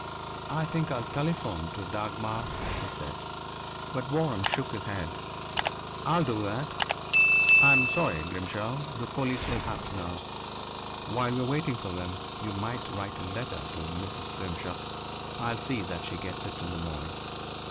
"I think I'll telephone to Dagmar," he said. But Waram shook his head. "I'll do that. I'm sorry, Grimshaw; the police will have to know. While we're waiting for them, you might write a letter to Mrs. Grimshaw. I'll see that she gets it in the morning."